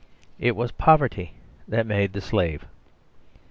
It was poverty that made the slave.